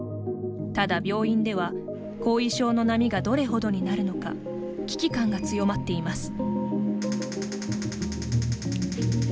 ただ、病院では後遺症の波がどれほどになるのか危機感が強まっています。